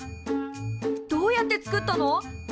どうやって作ったの？